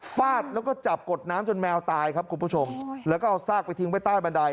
ฟาดแล้วก็จับกดน้ำจนแมวตายครับคุณผู้ชมแล้วก็เอาซากไปทิ้งไว้ใต้บันได